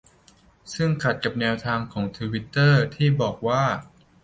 ซึ่งขัดกับแนวทางของทวิตเตอร์ที่บอกว่า